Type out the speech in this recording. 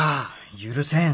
許せん！